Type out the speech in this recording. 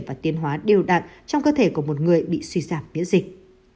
và tiến hóa đều đặn trong cơ thể của một người bị suy giảm miễn dịch